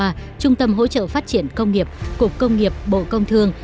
trong thời gian qua trung tâm hỗ trợ phát triển công nghiệp của công nghiệp bộ công thương